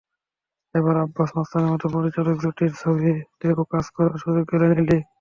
এবার আব্বাস-মাস্তানের মতো পরিচালক জুটির ছবিতেও কাজ করার সুযোগ পেলেন এলি।